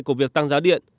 của việc tăng giá điện